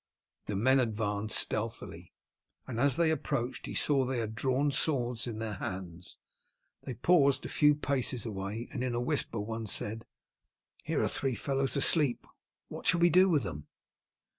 The men advanced stealthily, and as they approached he saw they had drawn swords in their hands. They paused a few paces away, and in a whisper one said: "Here are three fellows asleep; what shall we do with them?"